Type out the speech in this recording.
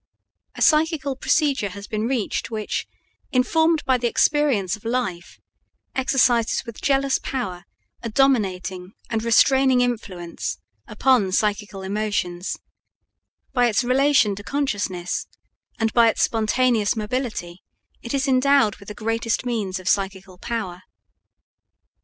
A psychical procedure has been reached which, informed by the experience of life, exercises with jealous power a dominating and restraining influence upon psychical emotions; by its relation to consciousness, and by its spontaneous mobility, it is endowed with the greatest means of psychical power.